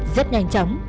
rất nhanh chóng